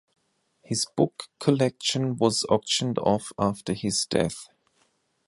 His book collection was auctioned off after his death.